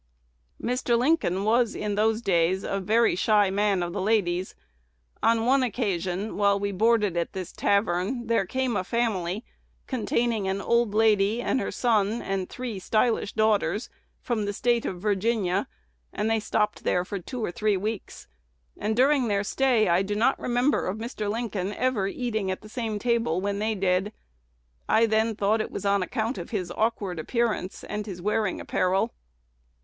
"Mr. Lincoln was in those days a very shy man of ladies. On one occasion, while we boarded at this tavern, there came a family, containing an old lady and her son and three stylish daughters, from the State of Virginia, and stopped there for two or three weeks; and, during their stay, I do not remember of Mr. Lincoln ever eating at the same table when they did. I then thought it was on account of his awkward appearance and his wearing apparel."